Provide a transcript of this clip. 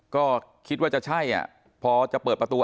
ก็คิดว่าจะใช่พอจะเปิดประตู